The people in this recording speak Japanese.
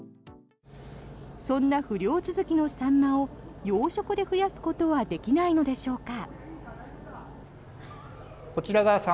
そんな不漁続きのサンマを養殖で増やすことはできないのでしょうか。